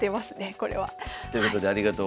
これは。ということでありがとうございました。